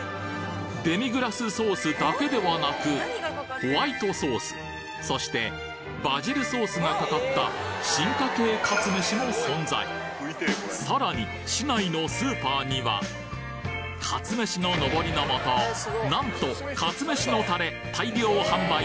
デミグラスソースだけではなくホワイトソースそしてバジルソースがかかった進化系かつめしも存在さらに市内のスーパーにはかつめしののぼりのもとなんと「かつめしのたれ」